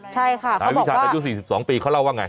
ใช่ค่ะเขาบอกว่านายวิชาญแต่อยู่สี่สิบสองปีเขาเล่าว่าไง